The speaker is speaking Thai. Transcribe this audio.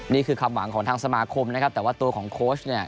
นี่คือคำหวังของทางสมาคมแต่ว่าตัวของโค้ช